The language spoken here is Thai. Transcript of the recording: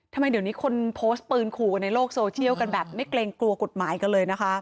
ทำไมเดี๋ยวนี้คนโพสต์ปืนขู่กันในโลกโซเชียลกันแบบไม่เกรงกลัวกฎหมายกันเลยนะคะ